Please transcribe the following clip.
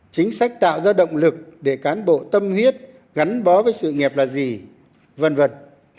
chính sách tạo ra động lực để cán bộ tâm huyết gắn bó với sự nghiệp là gì v v